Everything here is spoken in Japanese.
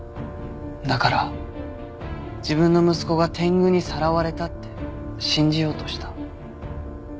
だから自分の息子が天狗にさらわれたって信じようとした。